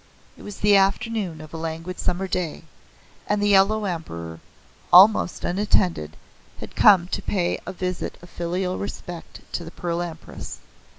It was the afternoon of a languid summer day, and the Yellow Emperor, almost unattended, had come to pay a visit of filial respect to the Pearl Empress.